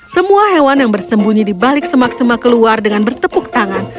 semua hewan yang bersembunyi di balik semak semak keluar dengan bertepuk tangan